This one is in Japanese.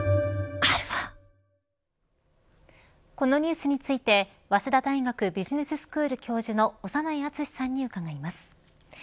このニュースについて早稲田大学ビジネススクール教授の長内厚さんに伺います。